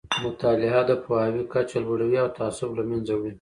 مطالعه د پوهاوي کچه لوړوي او تعصب له منځه وړي.